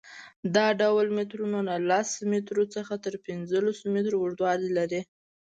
دا ډول مترونه له لس مترو څخه تر پنځوس متره اوږدوالی لري.